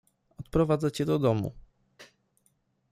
Odprowadzę cię do domu.